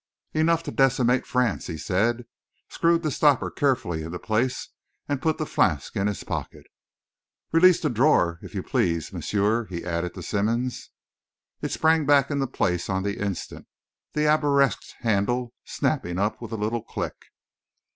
"Enough to decimate France," he said, screwed the stopper carefully into place, and put the flask in his pocket. "Release the drawer, if you please, monsieur," he added to Simmonds. It sprang back into place on the instant, the arabesqued handle snapping up with a little click.